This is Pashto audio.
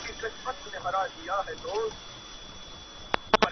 ما چي د هيلو د اختر شېبې ـ شېبې شچيرلې”